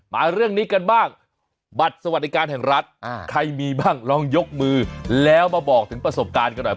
มาเรื่องนี้กันบ้างบัตรสวัสดิการแห่งรัฐใครมีบ้างลองยกมือแล้วมาบอกถึงประสบการณ์กันหน่อย